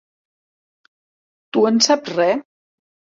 Tu en saps re?